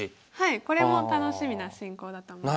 これも楽しみな進行だと思います。